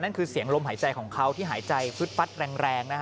คือเสียงลมหายใจของเขาที่หายใจฟึดฟัดแรงนะฮะ